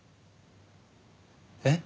えっ？